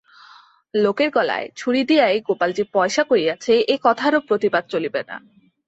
লোকের গলায় ছুরি দিয়াই গোপাল যে পয়সা করিয়াছে একথারও প্রতিবাদ চলিবে না।